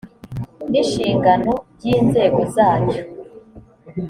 n inshingano by inzego zacyo